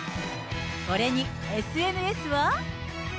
これにＳＮＳは。